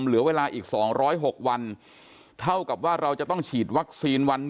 เหลือเวลาอีก๒๐๖วันเท่ากับว่าเราจะต้องฉีดวัคซีนวัน๑